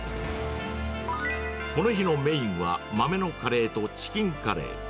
この日のメインは、豆のカレーとチキンカレー。